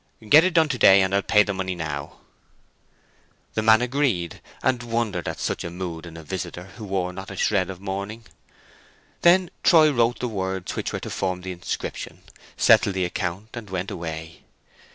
"Get it done to day, and I'll pay the money now." The man agreed, and wondered at such a mood in a visitor who wore not a shred of mourning. Troy then wrote the words which were to form the inscription, settled the account and went away.